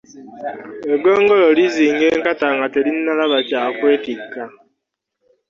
Eggongolo lizinga enkata nga terinnalaba kya kwettika.